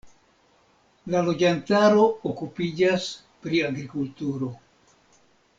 La loĝantaro okupiĝas pri agrikulturo.